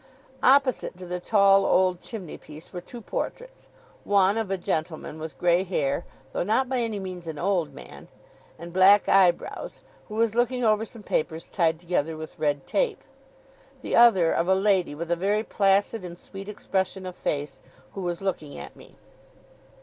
Opposite to the tall old chimney piece were two portraits: one of a gentleman with grey hair (though not by any means an old man) and black eyebrows, who was looking over some papers tied together with red tape; the other, of a lady, with a very placid and sweet expression of face, who was looking at me.